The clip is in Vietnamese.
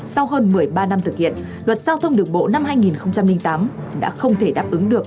sau hơn một mươi ba năm thực hiện luật giao thông đường bộ năm hai nghìn tám đã không thể đáp ứng được